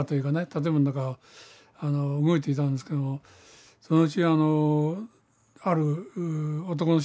建物の中を動いていたんですけどもそのうちある男の人からね